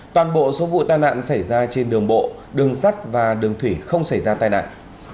toàn bộ số vụ tai nạn xảy ra trên đường bộ đường sắt và đường thủy không xảy ra tai nạn